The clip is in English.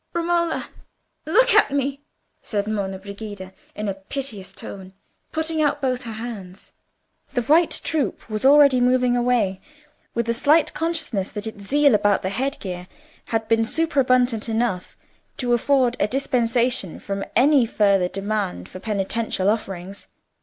"Romola, look at me!" said Monna Brigida, in a piteous tone, putting out both her hands. The white troop was already moving away, with a slight consciousness that its zeal about the head gear had been superabundant enough to afford a dispensation from any further demand for penitential offerings.